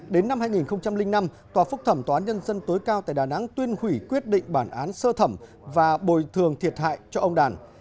đến năm hai nghìn năm tòa phúc thẩm tòa án nhân dân tối cao tại đà nẵng tuyên hủy quyết định bản án sơ thẩm và bồi thường thiệt hại cho ông đàn